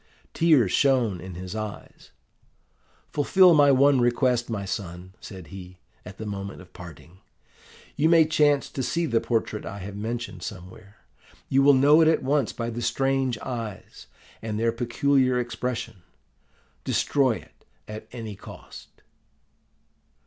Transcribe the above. "Tears shone in his eyes. 'Fulfil my one request, my son,' said he, at the moment of parting. 'You may chance to see the portrait I have mentioned somewhere. You will know it at once by the strange eyes, and their peculiar expression. Destroy it at any cost.